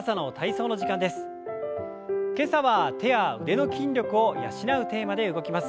今朝は手や腕の筋力を養うテーマで動きます。